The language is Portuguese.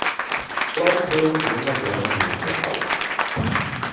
Qual foi a Segunda Guerra Mundial?